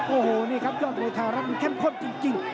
โอ้โหนี่ครับย่อมโดยเท่ารักมันแข่งพ่นจริง